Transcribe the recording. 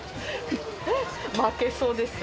負けそうですよ。